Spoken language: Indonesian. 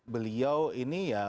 beliau ini ya